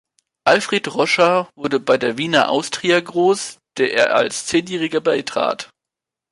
Alfred Roscher wurde bei der Wiener Austria groß, der er als Zehnjähriger beitrat.